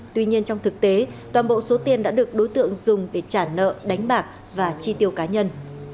tuy nhiên trong thực tế toàn bộ số tiền đã được đối tượng dùng để trả nợ đánh bạc và chi tiêu cá nhân